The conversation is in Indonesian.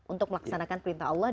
untuk melaksanakan perintah allah